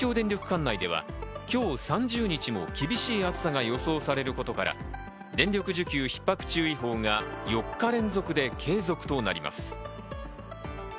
管内では、今日３０日も厳しい暑さが予想されることから電力需給ひっ迫注意報が４日連続で継続となります。